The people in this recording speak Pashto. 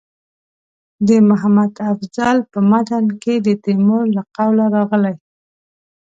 د محمد افضل په متن کې د تیمور له قوله راغلي.